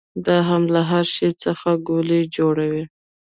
دا هم له هر شي څخه ګولۍ جوړوي.